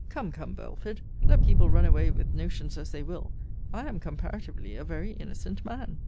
Come, come, Belford, let people run away with notions as they will, I am comparatively a very innocent man.